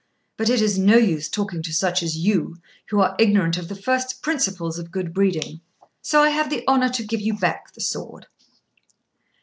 But it is no use talking to such as you, who are ignorant of the first principles of good breeding; so I have the honour to give you back the sword."